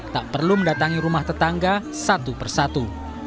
tak perlu mendatangi rumah tetangga satu persatu